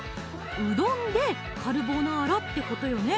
うどんでカルボナーラってことよね